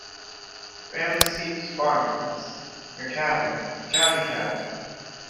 The family seat was Farnham House, near Cavan, County Cavan.